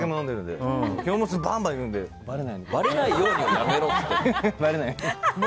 京本さん、バンバンいくのでばれないようにはやめろって。